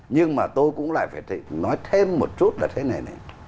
nhưng mà tôi cũng lại phải nói thêm một chút là thế này này